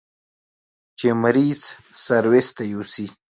چې مريض سرويس ته يوسي.